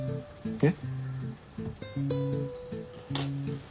えっ？